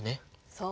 そう。